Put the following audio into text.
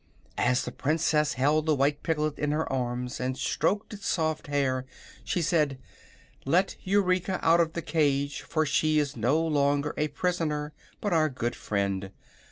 As the Princess held the white piglet in her arms and stroked its soft hair she said: "Let Eureka out of the cage, for she is no longer a prisoner, but our good friend.